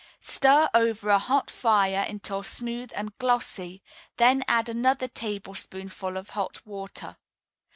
Stir over a hot fire until smooth and glossy, then add another tablespoonful of hot water.